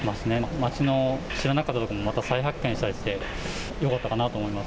街の知らなかった所もまた再発見したりして、よかったかなと思います。